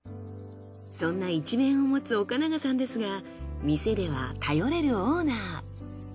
そんな一面を持つ岡永さんですが店では頼れるオーナー。